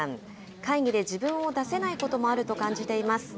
会議で自分を出せないこともあると感じています。